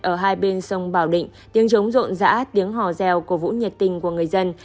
ở hai bên sông bảo định tiếng trống rộn rã tiếng hò rèo cổ vũ nhiệt tình của người dân